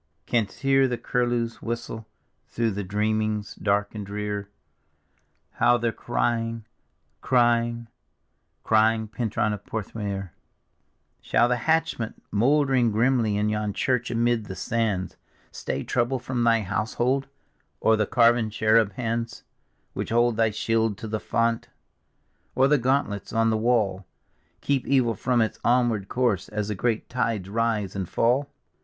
Canst hear the curlews' whistle through thy dreamings dark and drear, How they're crying, crying, crying, Pentruan of Porth meor? Shall thy hatchment, mouldering grimly in yon church amid the sands. Stay trouble from thy household ? Or the carven cheruh hands Which hold thy shield to the font? Or the gauntlets on the wall Keep evil from its onward course as the great tides rise and fall?